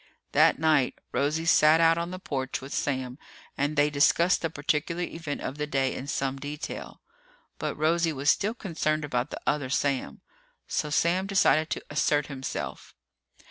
That night, Rosie sat out on the porch with Sam and they discussed the particular event of the day in some detail. But Rosie was still concerned about the other Sam. So Sam decided to assert himself.